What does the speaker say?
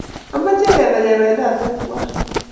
Amache kepe kependate twai